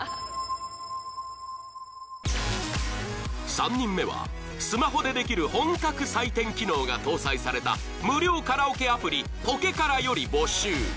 ［３人目はスマホでできる本格採点機能が搭載された無料カラオケアプリＰｏｋｅｋａｒａより募集］